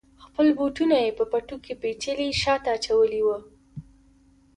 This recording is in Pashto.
خپل بوټونه یې په پټو کې پیچلي شاته اچولي وه.